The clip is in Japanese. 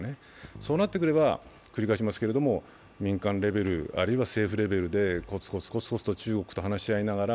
そうなってくると繰り返しになりますが民間レベル、あるいは政府レベルでこつこつと中国と話し合いながら